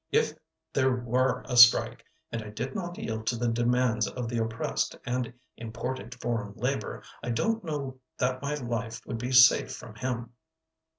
If there were a strike, and I did not yield to the demands of the oppressed, and imported foreign labor, I don't know that my life would be safe from him."